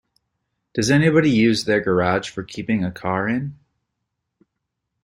Does anybody use their garage for keeping a car in?